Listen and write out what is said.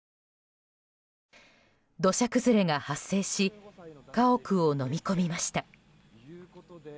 土砂崩れが発生し家屋をのみ込みました。